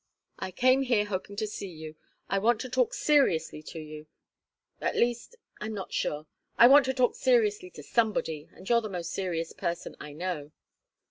I came here hoping to see you. I want to talk seriously to you. At least I'm not sure. I want to talk seriously to somebody, and you're the most serious person I know."